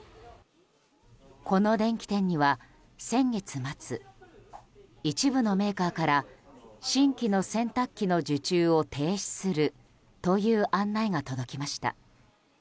この電気店には、先月末一部のメーカーから新規の洗濯機の受注を停止するという案内が届きました。